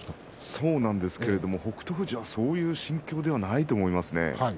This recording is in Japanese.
そうなんですけれども北勝富士はそういう心境ではないと思いますね。